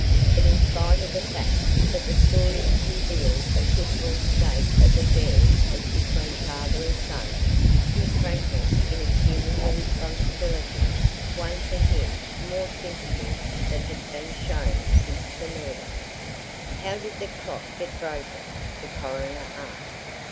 But in spite of the fact that the story revealed a pitiable state of affairs as between father and son, his frankness in assuming the responsibility won for him more sympathy than had been shown since the murder. "How did the clock get broken?" the coroner asked.